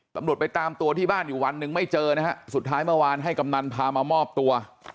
ตำรวจไปตามตัวที่บ้านอยู่วันหนึ่งไม่เจอนะฮะสุดท้ายเมื่อวานให้กำนันพามามอบตัว